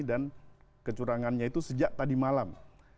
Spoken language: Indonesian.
dan kecurangannya itu sejak tadi malam